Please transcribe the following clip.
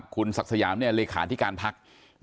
คุณศักดิ์สยามเลขาที่การพัก